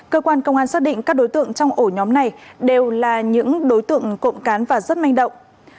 cơ quan công an xác định các đối tượng trong ổ nhóm này đều là những đối tượng cộng cán và rất manh động